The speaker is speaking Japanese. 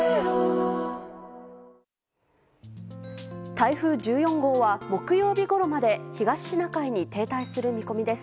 台風１４号は、木曜日ごろまで東シナ海に停滞する見込みです。